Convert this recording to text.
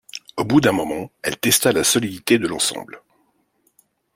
Au bout d’un moment, elle testa la solidité de l’ensemble.